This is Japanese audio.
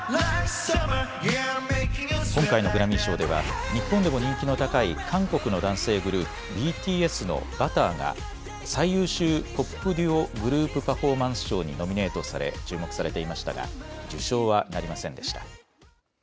今回のグラミー賞では日本でも人気の高い韓国の男性グループ、ＢＴＳのＢｕｔｔｅｒが最優秀ポップ・デュオ／グループ・パフォーマンス賞にノミネートされ注目されていましたが受賞はなりませんでした。